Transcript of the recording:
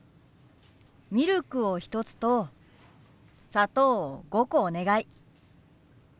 ミルクを１つと砂糖を５個お願い。